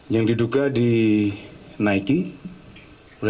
yang diduga di nike